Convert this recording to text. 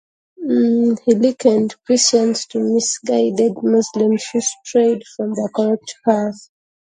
He likened Christians to misguided Muslims who strayed from the correct path.